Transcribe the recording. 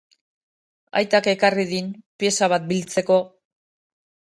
Aitak ekarri din, pieza bat biltzeko.